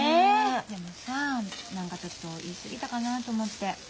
でもさ何かちょっと言い過ぎたかなと思って。